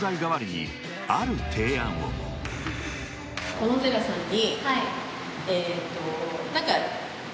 小野寺さんに。